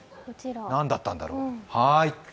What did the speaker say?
何だったんだろう？